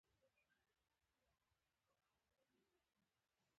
یو سړی مړ و او په وینو لیت پیت و.